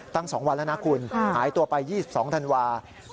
ตั้ง๒วันแล้วนะคุณหายตัวไป๒๒ธันวาคม